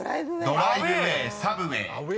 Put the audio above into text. ［「ドライブウェー」「サブウェー」］